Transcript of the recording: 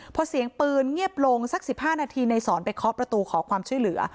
พอเสียงปืนเงียบลงสัก๑๕นาทีในสอนไปเคาะประตูขอความช่วยเหลือ